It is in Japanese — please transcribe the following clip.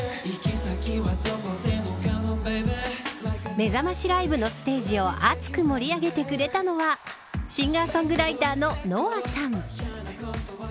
めざましライブのステージを暑く盛り上げてくれたのはシンガーソングライターのＮＯＡさん。